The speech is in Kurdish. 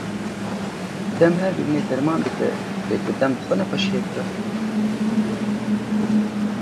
Dem her birînê derman dike lê ku dem bi xwe nexweşiyek be?